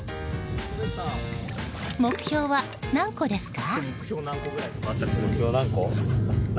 目標は何個ですか？